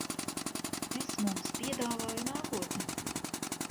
Es mums piedāvāju nākotni.